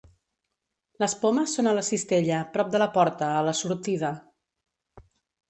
Les pomes són a la cistella prop de la porta a la sortida.